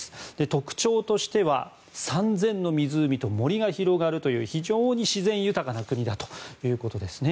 特徴としては３０００の湖と森が広がる非常に自然豊かな国だということですね。